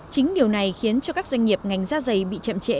chính điều này khiến cho các doanh nghiệp ngành da dày bị chậm trễ